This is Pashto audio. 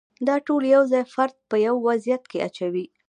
دا ټول یو ځای فرد په یو وضعیت کې اچوي.